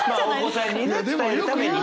お子さんにね伝えるために。